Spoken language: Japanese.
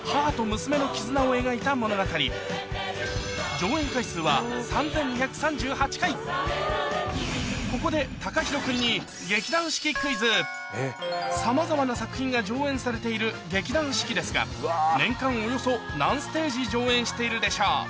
上演回数はここでＴＡＫＡＨＩＲＯ君にさまざまな作品が上演されている劇団四季ですが年間およそ何ステージ上演しているでしょう？